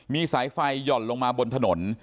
มีสายไฟหย่อนลงมาบนถนน